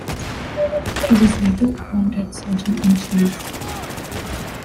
He was later appointed surgeon-in-chief.